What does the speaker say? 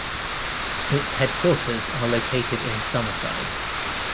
Its headquarters are located in Summerside.